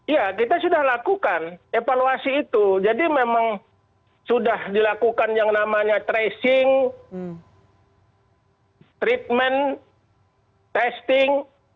ya kita sudah lakukan evaluasi itu jadi memang sudah dilakukan yang namanya tracing treatment testing